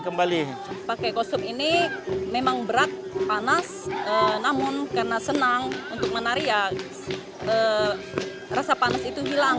kembali pakai kostum ini memang berat panas namun karena senang untuk menari ya rasa panas itu hilang